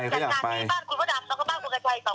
อยากไปอยากไปอยากไปอยากไปอยากไปอยากไปอยากไปอยากไปอยากไป